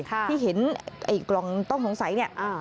ที่เห็นกล่องต้องสงสัยนี่